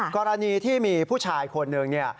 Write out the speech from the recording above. กรณีที่มีผู้ชายคนนึง